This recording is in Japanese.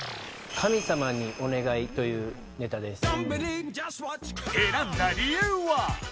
「神様にお願い」というネタです選んだ理由は？